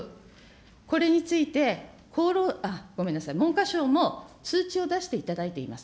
これについて、ごめんなさい、文科省も通知を出していただいています。